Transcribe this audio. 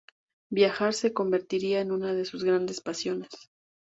Viajar se convertiría en una de sus grandes pasiones.